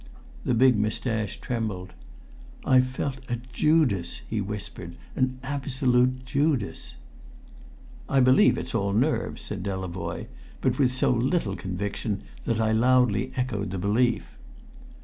The big moustache trembled. "I felt a Judas," he whispered "an absolute Judas!" "I believe it's all nerves," said Delavoye, but with so little conviction that I loudly echoed the belief.